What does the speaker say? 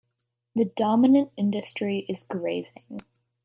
The dominant industry is grazing.